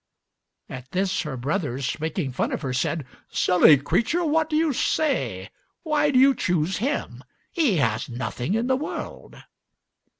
At this her brothers, making fun of her, said, "Silly creature, what do you say? Why do you choose him? He has nothing in the world."